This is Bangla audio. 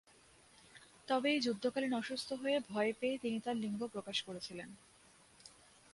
তবে এই যুদ্ধ কালীন অসুস্থ হয়ে ভয় পেয়ে তিনি তার লিঙ্গ প্রকাশ করেছিলেন।